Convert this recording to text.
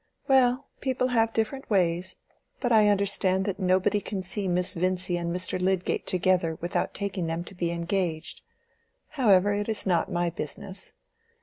"Well, people have different ways, but I understand that nobody can see Miss Vincy and Mr. Lydgate together without taking them to be engaged. However, it is not my business.